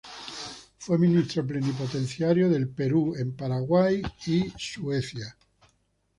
Fue ministro plenipotenciario del Perú en Paraguay y Suecia.